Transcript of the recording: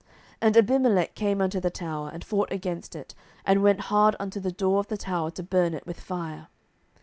07:009:052 And Abimelech came unto the tower, and fought against it, and went hard unto the door of the tower to burn it with fire.